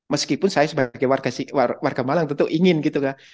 meskipun saya sebagai warga malang tentu ingin gitu kan